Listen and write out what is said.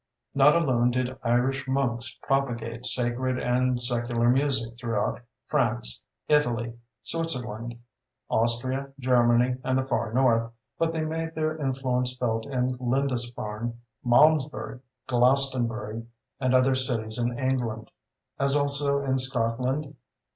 Not alone did Irish monks propagate sacred and secular music throughout France, Italy, Switzerland, Austria, Germany, and the far North, but they made their influence felt In Lindisfarne, Malmesbury, Glastonbury, and other cities in England, as also in Scotland.